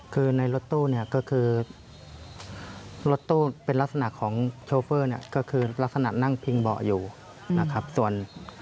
คือในรถตู้เนี่ยก็คือรถตู้เป็นลักษณะของโชเฟอร์เนี่ยก็คือลักษณะนั่งพิงเบาะอยู่นะครับส่วน